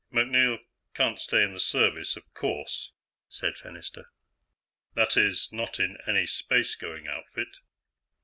"MacNeil can't stay in the service, of course," said Fennister. "That is, not in any space going outfit.